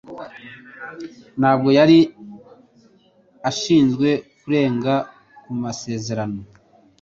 Ntabwo yari ashinzwe kurenga ku masezerano.